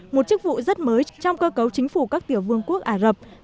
một chức vụ rất mới trong cơ cấu chính phủ các tiểu vương quốc ả rập thống nhất